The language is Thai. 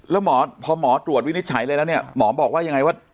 แล้วหมอพอหมอตรวจวินิจฉัยอะไรแล้วเนี่ยหมอบอกว่ายังไงว่า